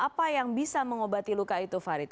apa yang bisa mengobati luka itu farid